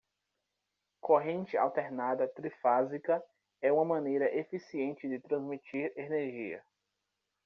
Corrente alternada trifásica é uma maneira eficiente de transmitir energia.